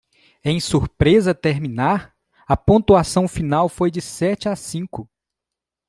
Em surpresa terminar? a pontuação final foi de sete a cinco.